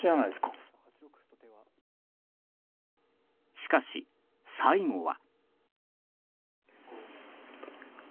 しかし、最後は。